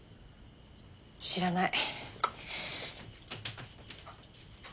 知らない。